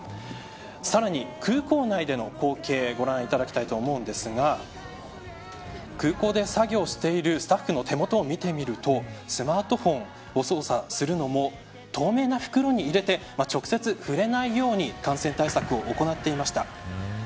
さらに、空港内での光景をご覧いただきたいと思いますが空港で作業しているスタッフの手元を見てみるとスマートフォンを操作するのも透明な袋に入れて直接触れないように感染対策を行っていました。